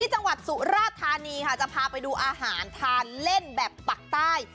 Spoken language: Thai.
จังหวัดสุราธานีค่ะจะพาไปดูอาหารทานเล่นแบบปักใต้